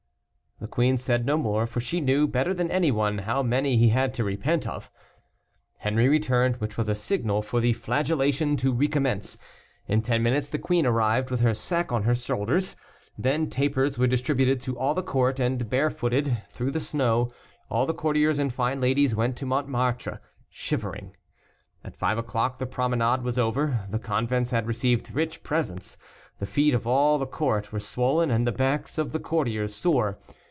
The queen said no more, for she knew, better than any one, how many he had to repent of. Henri returned, which was a signal for the flagellation to recommence. In ten minutes the queen arrived, with her sack on her shoulders. Then tapers were distributed to all the court, and barefooted, through the snow, all the courtiers and fine ladies went to Montmartre, shivering. At five o'clock the promenade was over, the convents had received rich presents, the feet of all the court were swollen, and the backs of the courtiers sore.